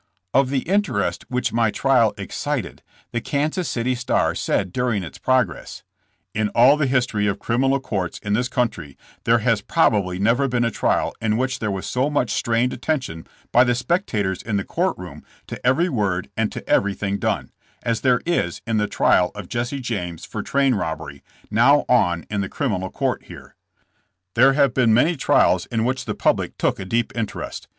Of the interest which my trial excited, the Kan sas City Star said during its progress: "In all the history of criminal courts in this country there has probably never been a trial in which there was so much strained attention by the spectators in the court room to every word and to everything done, as there is in the trial of Jesse James for train robbery, now on in the criminal court here. There have been many trials in which the public took a deep interest.